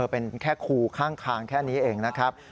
เป็นแค่ครูข้างทางแค่นี้เองนะครับ